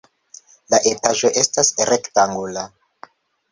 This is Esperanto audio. La etaĝo estas rektangula.